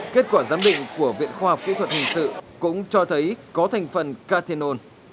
kết quả giám định của viện khoa học kỹ thuật hình sự cũng cho thấy có thành phần cathenol